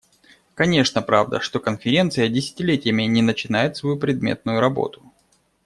Конечно, правда, что Конференция десятилетиями не начинает свою предметную работу.